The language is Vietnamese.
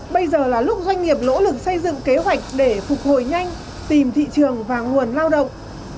bây giờ là lúc doanh nghiệp lỗ lực xây dựng kế hoạch để phục hồi nhanh tìm thị trường và nguồn lao động